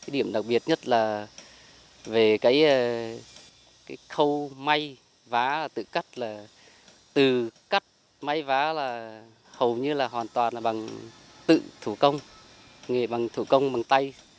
điểm đặc biệt nhất là về cái khâu may vá tự cắt là từ cắt may vá là hầu như là hoàn toàn là bằng tự thủ công nghề bằng thủ công bằng tay